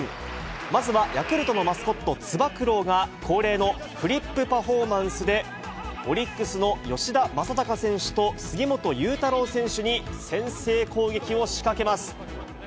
まずはヤクルトのマスコット、つば九郎が、恒例のフリップパフォーマンスで、オリックスの吉田正尚選手と、杉本裕太郎選手に先制攻撃を仕掛けます。